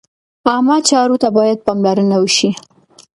عامه چارو ته باید پاملرنه وشي.